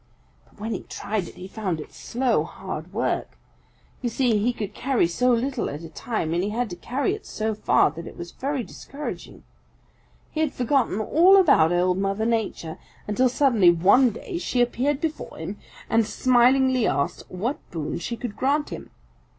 But when he tried it, he found it slow, hard work. You see, he could carry so little at a time, and had to carry it so far, that it was very discouraging. He had forgotten all about Old Mother Nature until suddenly one day she appeared before him and smilingly asked what boon she could grant him.